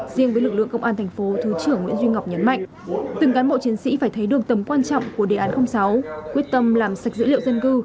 riêng với lực lượng công an thành phố thứ trưởng nguyễn duy ngọc nhấn mạnh từng cán bộ chiến sĩ phải thấy được tầm quan trọng của đề án sáu quyết tâm làm sạch dữ liệu dân cư